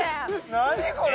何これ！